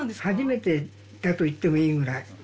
初めてだと言ってもいいぐらい。